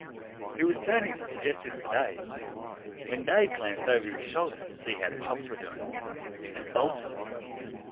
He was turning to suggest this to Dave, when Dave glanced over his shoulder to see how the chops were doing and bolted.